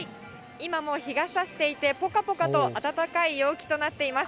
今も日がさしていて、ぽかぽかと暖かい陽気となっています。